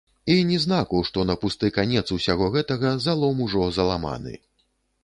І ні знаку, што на пусты канец усяго гэтага залом ужо заламаны.